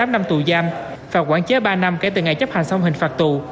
tám năm tù giam phạt quản chế ba năm kể từ ngày chấp hành xong hình phạt tù